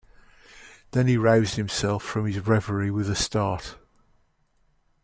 Then he roused himself from his reverie with a start.